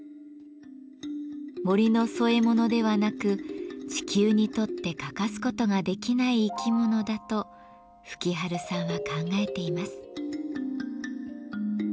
森の添え物ではなく地球にとって欠かすことができない生き物だと吹春さんは考えています。